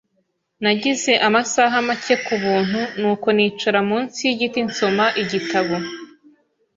Nagize amasaha make ku buntu, nuko nicara munsi yigiti nsoma igitabo .